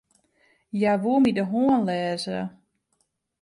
Hja woe my de hân lêze.